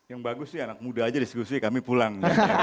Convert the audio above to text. yang bagus sih anak muda aja diskusi kami pulang